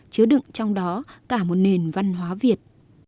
chứa đựng trong đó cả một nền văn hóa việt